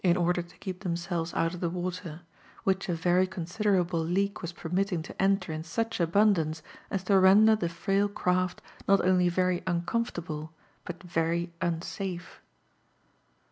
| oNdV to ke0p themfieWes out of (he water, which % very coBsid^able Ie«k was permittiag to enter in auch abundance as to render the frail craft pot Qply very u(icoaifprtable, but very unsafe.